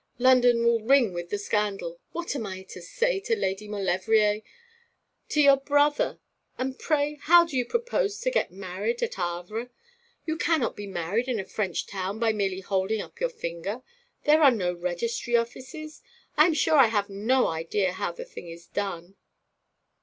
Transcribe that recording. London will ring with the scandal. What am I to say to Lady Maulevrier, to your brother? And pray how do you propose to get married at Havre? You cannot be married in a French town by merely holding up your finger. There are no registry offices. I am sure I have no idea how the thing is done.'